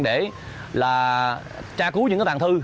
để tra cứu những tàn thư